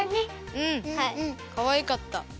かわいかった。